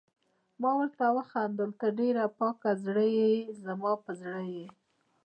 ما ورته وخندل: ته ډېره پاک زړه يې، زما په زړه یې.